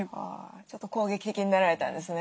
ちょっと攻撃的になられたんですね